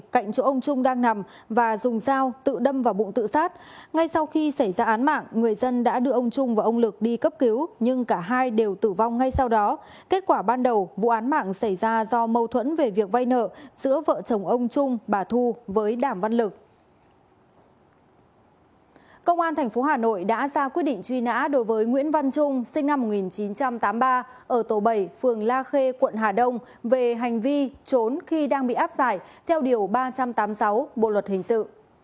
công an tp hà nội đã ra quyết định truy nã đối với nguyễn văn trung sinh năm một nghìn chín trăm tám mươi ba ở tổ bảy phường la khê quận hà đông về hành vi trốn khi đang bị áp giải theo điều ba trăm tám mươi sáu bộ luật hình sự